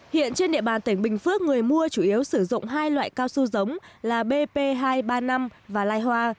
hiện trên địa bàn tỉnh bình phước người mua chủ yếu sử dụng hai loại cao su giống là bp hai trăm ba mươi năm và lai hoa